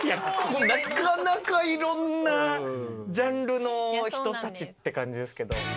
なかなか色んなジャンルの人達って感じですけど